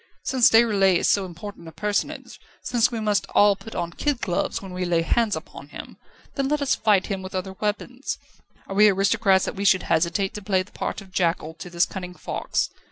_ since Déroulède is so important a personage, since we must all put on kid gloves when we lay hands upon him, then let us fight him with other weapons. Are we aristocrats that we should hesitate to play the part of jackal to this cunning fox?